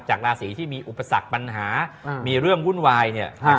จากราศีที่มีอุปสรรคปัญหามีเรื่องวุ่นวายเนี่ย